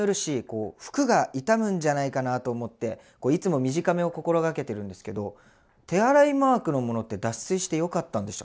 こう服が傷むんじゃないかなと思っていつも短めを心がけてるんですけど手洗いマークのものって脱水してよかったんでしたっけ？